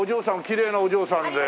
きれいなお嬢さんで。